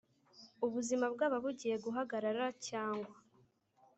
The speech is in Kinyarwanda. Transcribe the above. ubuzima bwaba bugiye guhagarara cyangwa